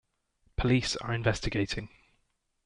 Police are investigating.